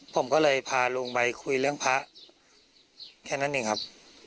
ผมก็เลยพาลุงไปคุยเรื่องพระแค่นั้นเองครับ